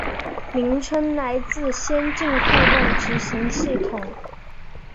名称来自先进互动执行系统。